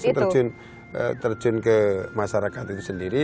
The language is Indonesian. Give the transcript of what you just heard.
karena langsung terjun ke masyarakat itu sendiri